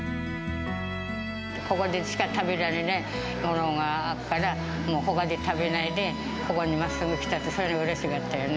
ここでしか食べられないものがあるから、もうほかで食べないで、ここにまっすぐ来たって、それはうれしかったよね。